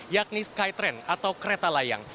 yakni skytrain atau kereta layang